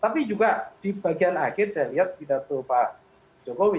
tapi juga di bagian akhir saya lihat pidato pak jokowi